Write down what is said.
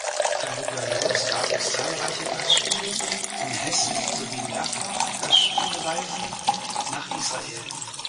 Darüber hinaus gab es zahlreiche Gastspiele in Hessen sowie mehrfach Gastspielreisen nach Israel.